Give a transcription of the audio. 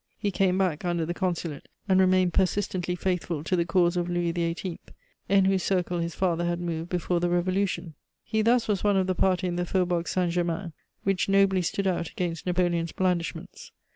He came back under the Consulate, and remained persistently faithful to the cause of Louis XVIII., in whose circle his father had moved before the Revolution. He thus was one of the party in the Faubourg Saint Germain which nobly stood out against Napoleon's blandishments.